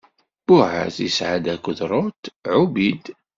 Buɛaz isɛa-d akked Rut Ɛubid.